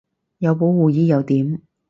有保護衣又點